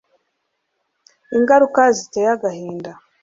ingaruka ziteye agahinda